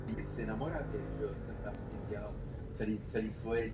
Kubu reprezentoval v devadesátých letech.